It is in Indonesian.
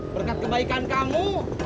berkat kebaikan kamu